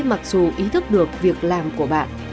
mặc dù ý thức được việc làm của bạn